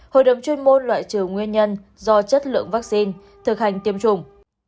hội đồng chuyên môn loại trừ nguyên nhân do chất lượng vaccine thực hành tiêm chủng